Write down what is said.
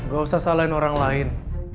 gak usah salahin orang lain